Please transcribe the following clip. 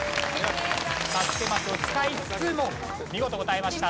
助けマスを使いつつも見事答えました。